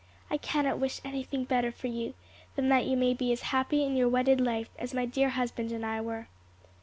"I cannot wish anything better for you than that you may be as happy in your wedded life as my dear husband and I were."